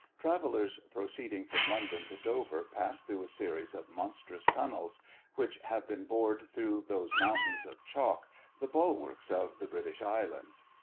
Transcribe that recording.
Travellers proceeding from London to Dover pass through a series of monstrous tunnels, which have been bored through those mountains of chalk, the bulwarks of the British islands.